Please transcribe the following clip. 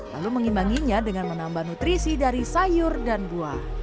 lalu mengimbanginya dengan menambah nutrisi dari sayur dan buah